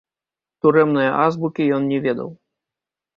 Турэмнае азбукі ён не ведаў.